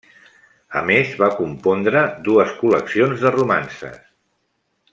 A més, va compondre dues col·leccions de romances.